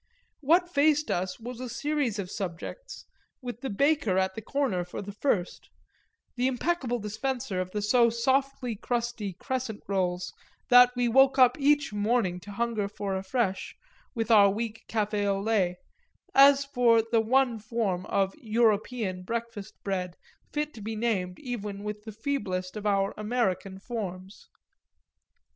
What faced us was a series of subjects, with the baker, at the corner, for the first the impeccable dispenser of the so softly crusty crescent rolls that we woke up each morning to hunger for afresh, with our weak café au lait, as for the one form of "European" breakfast bread fit to be named even with the feeblest of our American forms.